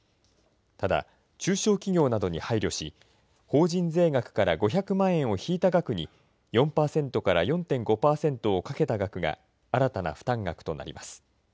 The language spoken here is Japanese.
ただ、中小企業などに配慮し、法人税額から５００万円を引いた額に、４％から４．５％をかけた額が新たな負担額となります。